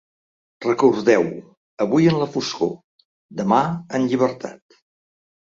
Recordeu-ho avui en la foscor, demà en llibertat.